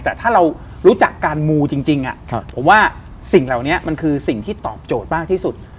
แต่ถ้าเรารู้จักการมูจริงผมว่าสิ่งเหล่านี้มันคือสิ่งที่ตอบโจทย์มากที่สุด